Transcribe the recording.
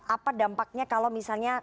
apa dampaknya kalau misalnya